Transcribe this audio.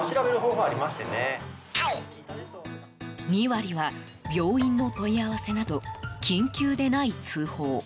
２割は病院の問い合わせなど緊急でない通報。